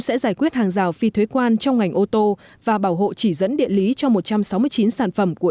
sẽ giải quyết hàng rào phi thuế quan trong ngành ô tô và bảo hộ chỉ dẫn địa lý cho một trăm sáu mươi chín sản phẩm của